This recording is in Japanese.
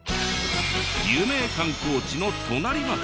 有名観光地の隣町。